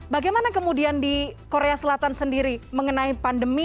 bagaimana kemudian di korea selatan sendiri mengenai pandemi